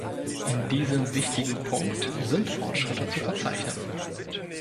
In diesem wichtigen Punkt sind Fortschritte zu verzeichnen.